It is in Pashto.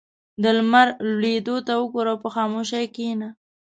• د لمر لوېدو ته وګوره او په خاموشۍ کښېنه.